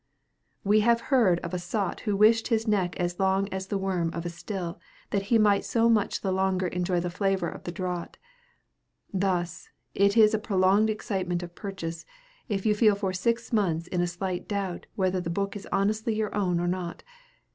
We have heard of a sot who wished his neck as long as the worm of a still, that he might so much the longer enjoy the flavor of the draught! Thus, it is a prolonged excitement of purchase, if you feel for six months in a slight doubt whether the book is honestly your own or not.